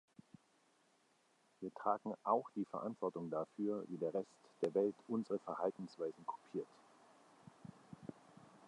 Wir tragen auch die Verantwortung dafür, wie der Rest der Welt unsere Verhaltensweisen kopiert.